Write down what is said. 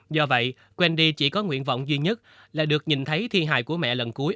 do vậy wendy chỉ có nguyện vọng duy nhất là được nhìn thấy thi hài của mẹ lần cuối